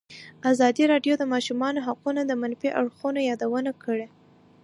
ازادي راډیو د د ماشومانو حقونه د منفي اړخونو یادونه کړې.